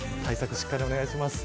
しっかりお願いします。